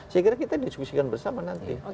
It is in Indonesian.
saya kira kita diskusikan bersama nanti